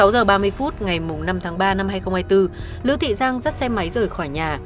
sáu giờ ba mươi phút ngày năm tháng ba năm hai nghìn hai mươi bốn lữ thị giang dắt xe máy rời khỏi nhà